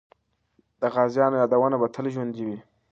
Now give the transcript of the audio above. د غازیانو یادونه به تل ژوندۍ وي.